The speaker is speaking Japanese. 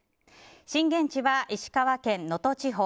震源地は石川県能登地方。